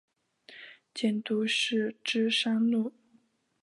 监督是芝山努。